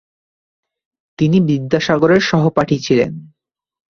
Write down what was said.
তিনি বিদ্যাসাগরের সহপাঠী ছিলেন।